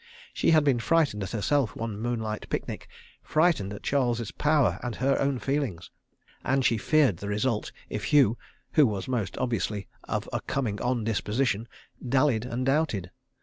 She had been frightened at herself one moonlight picnic, frightened at Charles's power and her own feelings—and she feared the result if Hugh (who was most obviously of a coming on disposition), dallied and doubted.